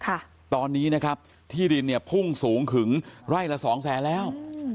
ค่ะตอนนี้นะครับที่ดินเนี่ยพุ่งสูงถึงไร่ละสองแสนแล้วอืม